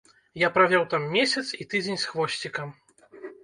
Я правёў там месяц і тыдзень з хвосцікам.